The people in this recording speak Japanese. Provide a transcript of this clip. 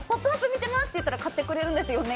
見てますって言ったら買ってくれるんですよね